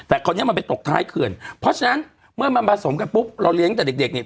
แต่คราวนี้มันไปตกท้ายเขื่อนเพราะฉะนั้นเมื่อมันผสมกันปุ๊บเราเลี้ยงแต่เด็กเด็กเนี่ย